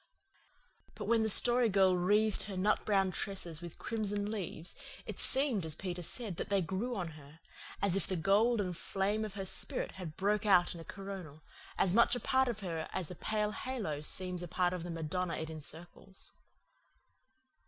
But when the Story Girl wreathed her nut brown tresses with crimson leaves it seemed, as Peter said, that they grew on her as if the gold and flame of her spirit had broken out in a coronal, as much a part of her as the pale halo seems a part of the Madonna it encircles.